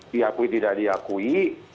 diakui tidak diakui